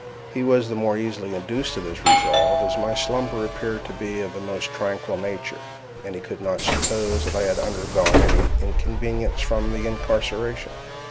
He was the more easily induced to this resolve, as my slumber appeared to be of the most tranquil nature, and he could not suppose that I had undergone any inconvenience from my incarceration.